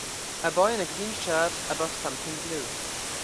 A boy in a green shirt above something blue.